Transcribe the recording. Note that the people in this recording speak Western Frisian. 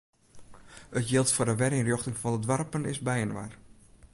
It jild foar de werynrjochting fan de doarpen is byinoar.